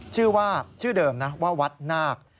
ชื่อเดิมนะว่าวัดนาค